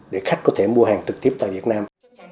để khách có thể mua hàng trực tiếp tại việt nam